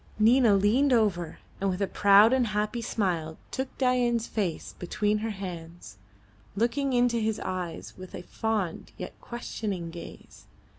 Nina leaned over, and with a proud and happy smile took Dain's face between her hands, looking into his eyes with a fond yet questioning gaze.